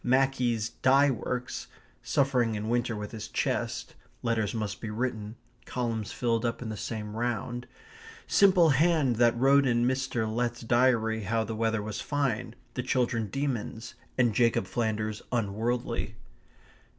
Mackie's dye works, suffering in winter with his chest, letters must be written, columns filled up in the same round, simple hand that wrote in Mr. Letts's diary how the weather was fine, the children demons, and Jacob Flanders unworldly.